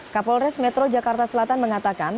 kapolres metro jakarta selatan mengatakan